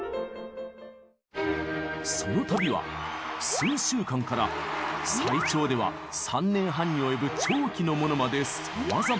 その旅は数週間から最長では３年半に及ぶ長期のものまでさまざま。